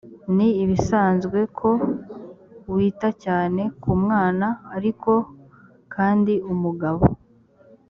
ni ibisanzwe ko wita cyane ku mwana ariko kandi umugabo